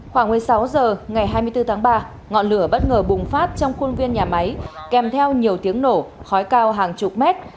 khoảng một mươi sáu h ngày hai mươi bốn tháng ba ngọn lửa bất ngờ bùng phát trong khuôn viên nhà máy kèm theo nhiều tiếng nổ khói cao hàng chục mét